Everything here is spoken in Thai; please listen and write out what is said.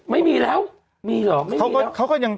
ไม่มีแล้วมีหรอไม่มีแล้ว